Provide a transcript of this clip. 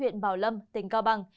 huyện bảo lâm tỉnh cao bằng